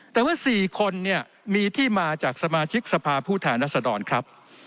แต่ว่า๔คนเนี่ยมีที่มาจากสมาชิกสภาพผู้แทนรัศดรครับ